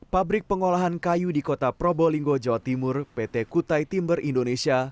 pabrik pengolahan kayu di kota probolinggo jawa timur pt kutai timber indonesia